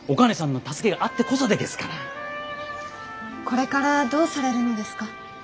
これからどうされるのですか？